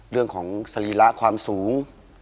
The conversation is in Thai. เรื่องของสรีระความสูง